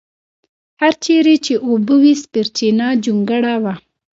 هر چېرې چې اوبه وې سپېرچنه جونګړه وه.